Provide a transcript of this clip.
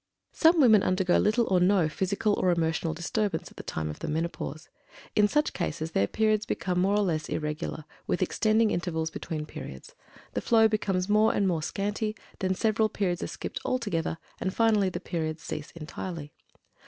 Some women undergo little or no physical or emotional disturbance at the time of the Menopause. In such cases their periods become more or less irregular, with extending intervals between periods; the flow becomes more and more scanty; then several periods are skipped altogether; and finally the periods cease entirely.